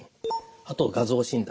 あと画像診断。